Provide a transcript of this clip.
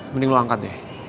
mending lo angkat deh